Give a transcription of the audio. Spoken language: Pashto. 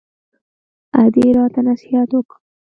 ادې راته نصيحت وکړ.